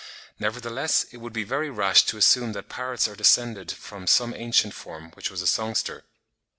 Nevertheless it would be very rash to assume that parrots are descended from some ancient form which was a songster.